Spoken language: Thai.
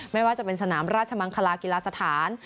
ไม่ว่าจะเป็นสนามราชมังคลากีฬาสถาน